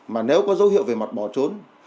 mà nếu có dấu hiệu về mặt bỏ trốn